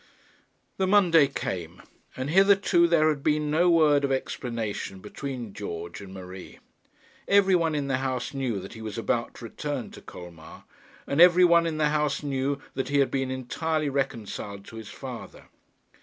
The Monday came, and hitherto there had been no word of explanation between George and Marie. Every one in the house knew that he was about to return to Colmar, and every one in the house knew that he had been entirely reconciled to his father.